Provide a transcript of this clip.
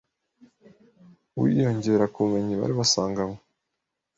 wiyongera ku bumenyi bari basanganywe,